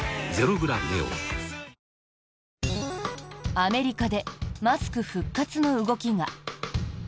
アメリカでマスク復活の動きが。